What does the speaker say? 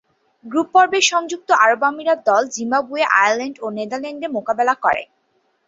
গ্রুপ-পর্বে সংযুক্ত আরব আমিরাত দল জিম্বাবুয়ে, আয়ারল্যান্ড ও নেদারল্যান্ডের মোকাবেলা করে।